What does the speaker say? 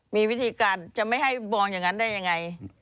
มีวิธีการจะไม่ให้มองอย่างนั้นได้ยังไง